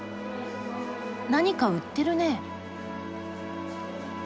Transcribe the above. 何か売ってるね。